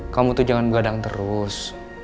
kamu tuh jangan gadang terus